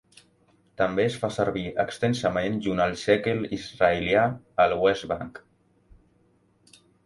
També es fa servir extensament junt al shekel israelià al West Bank.